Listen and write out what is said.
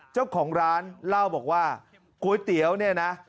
เจ้าของร้านเล่าบอกว่าก๋วยเตี๋ยวเนี่ยนะ